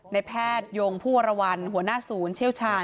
แพทยงผู้วรวรรณหัวหน้าศูนย์เชี่ยวชาญ